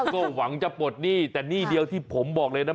ก็หวังจะปลดหนี้แต่หนี้เดียวที่ผมบอกเลยนะ